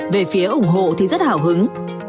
về phía ủng hộ thì rất hào hứng